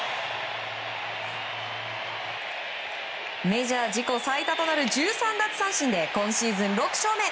メジャー自己最多となる１３奪三振で今シーズン６勝目。